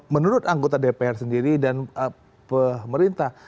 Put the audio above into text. menurut anggota dpr sendiri dan pemerintah